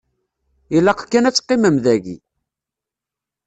Ilaq kan ad teqqimem daki.